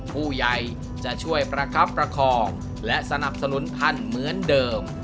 ผู้ใหญ่จะช่วยประคับประคองและสนับสนุนท่านเหมือนเดิม